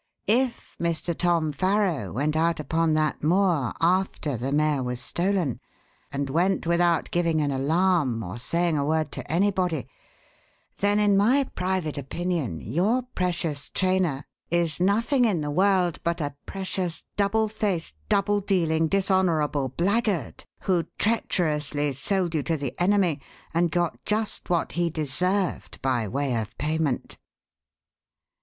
If Mr. Tom Farrow went out upon that moor after the mare was stolen, and went without giving an alarm or saying a word to anybody, then in my private opinion your precious trainer is nothing in the world but a precious double faced, double dealing, dishonourable blackguard, who treacherously sold you to the enemy and got just what he deserved by way of payment."